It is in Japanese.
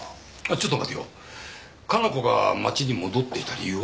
ちょっと待てよ加奈子が町に戻っていた理由は？